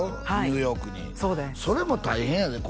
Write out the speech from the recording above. ニューヨークにそうですそれも大変やで